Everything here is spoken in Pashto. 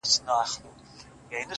o ستا څخه ډېر تـنگ؛